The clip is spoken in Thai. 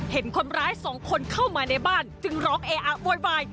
เห็นคนร้ายสองคนเข้ามาในบ้านจึงร้องเออะโวยวาย